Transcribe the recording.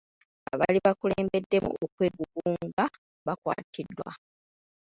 Abaali bakulembeddemu okwegugunga baakwatibwa.